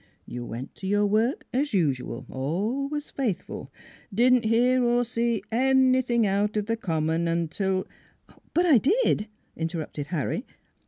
You went to your work, as usual: always faithful. Didn't hear or see anything out of the common till "" But I did," interrupted Harry.